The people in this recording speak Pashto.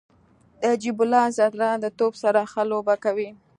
نجیب الله زدران د توپ سره ښه لوبه کوي.